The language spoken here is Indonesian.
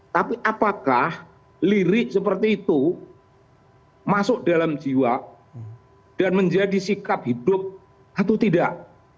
tapi apakah lirik seperti itu masuk dalam jiwa dan menjadi sikap hidup atau tidak